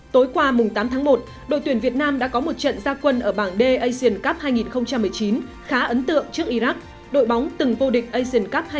tối qua mùng tám tháng một đội tuyển việt nam đã có một trận gia quân ở bảng d asian cup hai nghìn một mươi chín khá ấn tượng trước iraq đội bóng từng vô địch asian cup hai nghìn hai